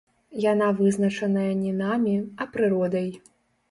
Яна вызначаная не намі, а прыродай.